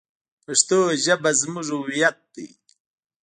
پښتو ژبه زموږ هویت دی.